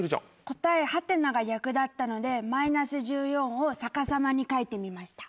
答え「？」が逆だったので「−１４」を逆さまに書いてみました。